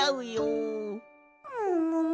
ももも。